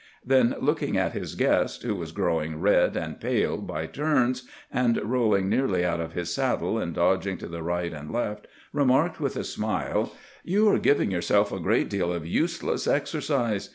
Then, looking at Ms guest, who was growing red and pale by turns, and rolling nearly out of bis saddle in dodging to tbe rigbt and left, remarked witb a smile: "You are giving yourself a great deal of useless exercise.